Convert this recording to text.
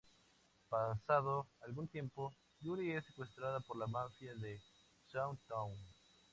Pasado algún tiempo, Yuri es secuestrada por la mafia de South Town.